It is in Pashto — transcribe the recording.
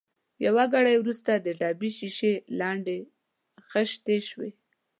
یو ګړی وروسته د ډبې شېشې لندې خېشتې شوې.